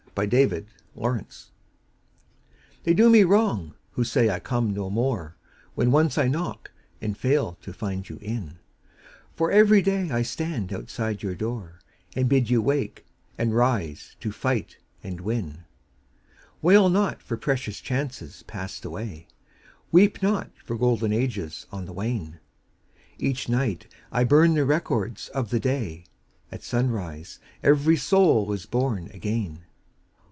OPPORTUNITY They do me wrong who say I come no more When once I knock and fail to find you in ; For every day I stand outside your door, And bid you wake, and rise to fight and win. [ 27 ] Selected Poems Wail not for precious chances passed away, Weep not for golden ages on the wane ! Each night I burn the records of the day, — At sunrise every soul is born again